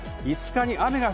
５日に雨が